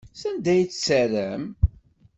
Sanda ay tt-terram?